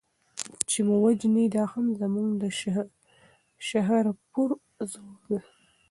چي مو وژني دا هم زموږ د شهپر زور دی